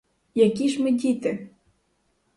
Які ж ми діти?